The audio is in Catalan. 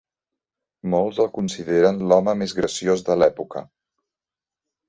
Molts el consideren l'home més graciós de l'època.